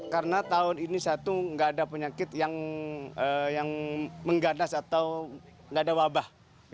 karena tahun ini satu tidak ada penyakit yang mengganas atau tidak ada wabah